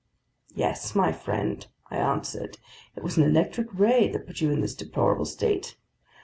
"Yes, my friend," I answered, "it was an electric ray that put you in this deplorable state."